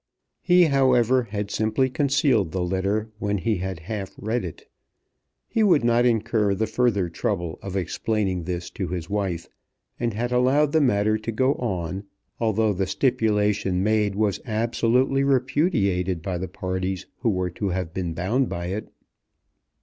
He, however, had simply concealed the letter when he had half read it. He would not incur the further trouble of explaining this to his wife, and had allowed the matter to go on, although the stipulation made was absolutely repudiated by the parties who were to have been bound by it.